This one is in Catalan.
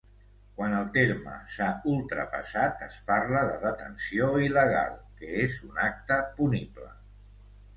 Quan el terme s'ha ultrapassat, es parla de detenció il·legal, que és un acte punible.